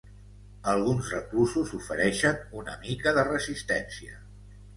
Alguns reclusos ofereixen una mica de resistència.